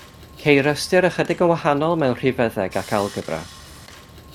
Ceir ystyr ychydig yn wahanol mewn rhifyddeg ac algebra.